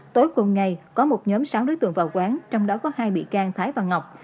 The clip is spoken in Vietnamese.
tối cùng ngày có một nhóm sáu đối tượng vào quán trong đó có hai bị can thái và ngọc